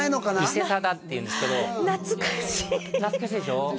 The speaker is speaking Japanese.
伊勢定っていうんですけど懐かしい懐かしいでしょ？